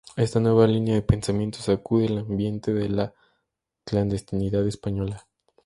Esta nueva línea de pensamiento sacude el ambiente de la clandestinidad española.